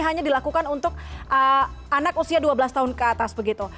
hanya dilakukan untuk anak usia dua belas tahun ke atas begitu